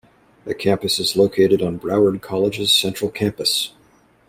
The campus is located on Broward College's Central Campus.